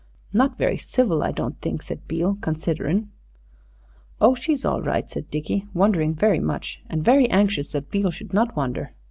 "Not very civil, I don't think," said Beale, "considerin' " "Oh, she's all right," said Dickie, wondering very much, and very anxious that Beale should not wonder.